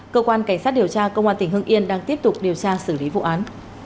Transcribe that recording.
cơ quan cảnh sát điều tra công an tỉnh hưng yên đang tiếp tục điều tra xử lý vụ án